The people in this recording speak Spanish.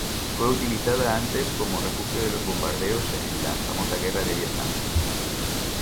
Fue utilizada antes como refugio de los bombardeos en la famosa Guerra de Vietnam.